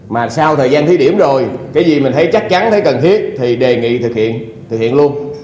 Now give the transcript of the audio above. mà sau thời gian thí điểm rồi cái gì mình thấy chắc chắn thấy cần thiết thì đề nghị thực hiện thực hiện luôn